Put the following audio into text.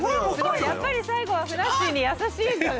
やっぱり最後はふなっしーに優しいんだね。